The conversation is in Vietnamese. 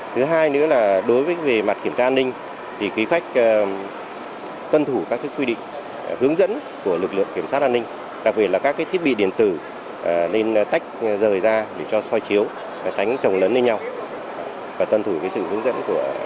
thứ hai nữa là đối với mặt kiểm tra an ninh thì khách tuân thủ các quy định hướng dẫn của lực lượng kiểm soát an ninh đặc biệt là các thiết bị điện tử nên tách rời ra để cho soi chiếu và tránh trồng lớn lên nhau